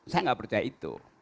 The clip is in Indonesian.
saya gak percaya itu